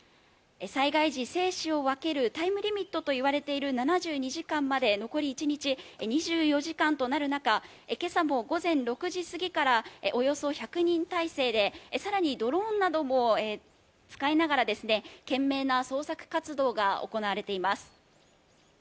災害時生死を分けるタイムリミットと言われている７２時間まで残り１日、２４時間となる中、今朝も午前６時すぎからおよそ１００人体制でさらにドローンなどを使いながら懸命な捜索活動が行われています。